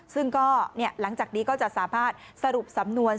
ซึ่งก็หลังจากนี้ก็จะสามารถสรุปสำนวน